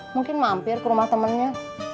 mungkin mampir ke rumah temennya